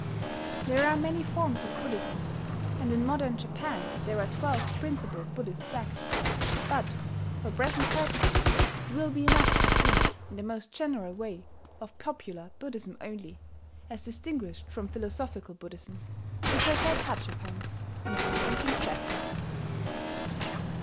There are many forms of Buddhism; and in modern Japan there are twelve principal Buddhist sects; but, for present purposes, it will be enough to speak, in the most general way, of popular Buddhism only, as distinguished from philosophical Buddhism, which I shall touch upon in a subsequent chapter.